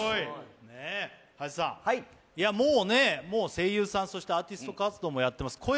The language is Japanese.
もう声優さん、そしてアーティスト活動もやってます。